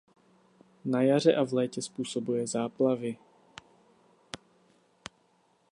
Na jaře a v létě způsobuje záplavy.